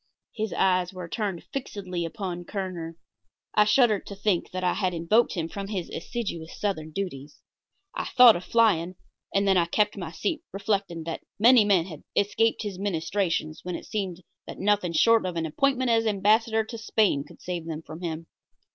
His eyes were turned fixedly upon Kerner. I shuddered to think that I had invoked him from his assiduous southern duties. I thought of flying, and then I kept my seat, reflecting that many men had escaped his ministrations when it seemed that nothing short of an appointment as Ambassador to Spain could save them from him.